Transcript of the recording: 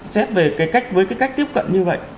xét về cái cách với cái cách tiếp cận như vậy